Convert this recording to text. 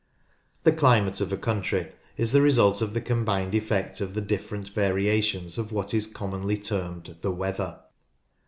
The climate of a country is the result of the combined effect of the different variations of what is commonly termed the weather.